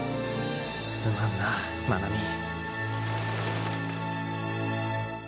すまんなまなみ。